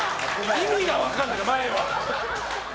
意味が分からないから、前は。